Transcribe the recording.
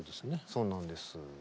そうなんです。